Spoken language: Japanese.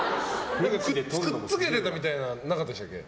くっつけてたみたいなのなかったですっけ？